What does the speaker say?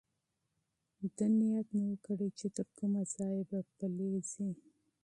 ده نیت نه و کړی چې تر کومه ځایه به پلی ځي.